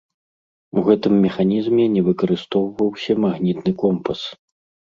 У гэтым механізме не выкарыстоўваўся магнітны компас.